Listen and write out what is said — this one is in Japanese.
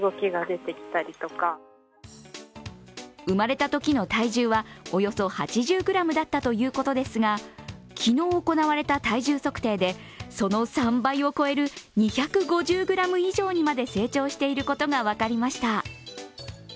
生まれたときの体重はおよそ８０ｇだったということですが昨日行われた体重測定でその３倍を超える２５０ｇ以上にまで成長していることが分かりました。